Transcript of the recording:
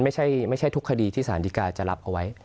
ไม่ใช่ทุกคดีที่สารดีกาจะรับเอาไว้